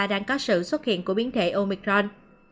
đang có sự xuất hiện của biến thể omicron